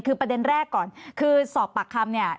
คือประเด็นแรกก่อนคือสอบปากคำเนี่ย